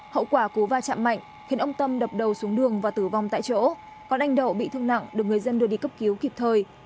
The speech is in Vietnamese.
hậu quả cú va chạm mạnh khiến ông tâm đập đầu xuống đường và tử vong tại chỗ con anh đậu bị thương nặng được người dân đưa đi cấp cứu kịp thời